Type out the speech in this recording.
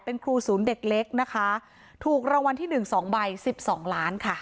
เป็นครูศูนย์เด็กเล็กนะคะถูกรางวัลที่หนึ่งสองใบสิบสองล้านค่ะ